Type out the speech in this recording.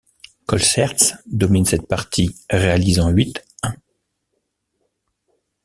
Colsaerts domine cette partie, réalisant huit ', un '.